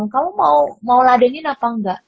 kamu mau ladengin apa enggak